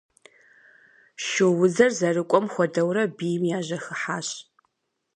Шуудзэр зэрыкӏуэм хуэдэурэ бийм яжьэхыхьащ.